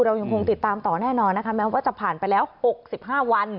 เรายังคงติดตามต่อแน่นอนนะคะแม้ว่าจะผ่านไปแล้ว๖๕วัน